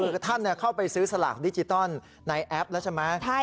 คือท่านเข้าไปซื้อสลากดิจิตอลในแอปแล้วใช่ไหม